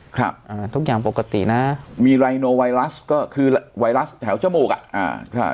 ครับอ่าทุกอย่างปกตินะมีไรโนไวรัสก็คือไวรัสแถวจมูกอ่ะอ่า